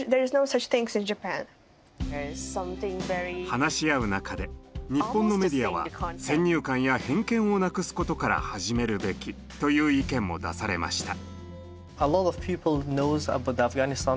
話し合う中で「日本のメディアは先入観や偏見をなくすことから始めるべき」という意見も出されました。